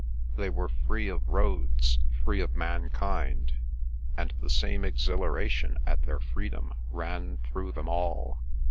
They were free of roads, free of mankind, and the same exhilaration at their freedom ran through them all.